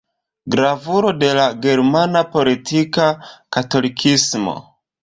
Gravulo de la germana politika katolikismo.